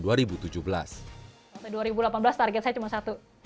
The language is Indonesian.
sampai dua ribu delapan belas target saya cuma satu